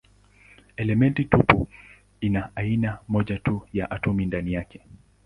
Elementi tupu ina aina moja tu ya atomi ndani yake.